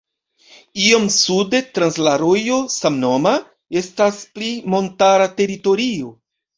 Iom sude, trans la rojo samnoma, estas pli montara teritorio.